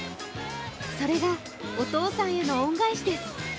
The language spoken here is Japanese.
それがお父さんへの恩返しです。